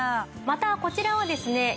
またこちらはですね